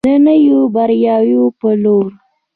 د نویو بریاوو په لور.